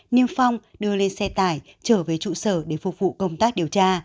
như phong đưa lên xe tải trở về trụ sở để phục vụ công tác điều tra